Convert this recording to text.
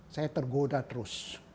saya tergoda terus